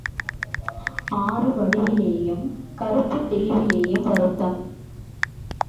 ஆறு வடிவிலேயும் கருப்புத் தெளிவிலேயும் வருத்தும்.